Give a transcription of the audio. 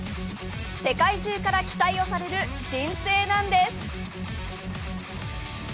世界中から期待をされる新星なんです。